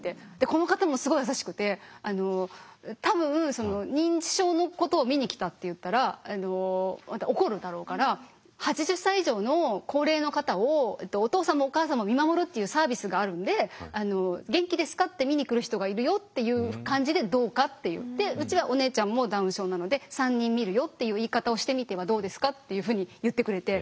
この方もすごい優しくて「多分認知症のことを見に来たって言ったら怒るだろうから８０歳以上の高齢の方をお父さんもお母さんも見守るっていうサービスがあるんで元気ですかって見に来る人がいるよっていう感じでどうか？」って言ってうちはお姉ちゃんもダウン症なので「３人見るよっていう言い方をしてみてはどうですか？」っていうふうに言ってくれて。